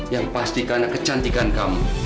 yang pasti karena kecantikan kamu